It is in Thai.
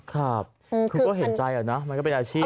ครับคือก็เห็นใจนะมันก็เป็นอาชีพ